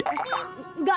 enggak enggak enggak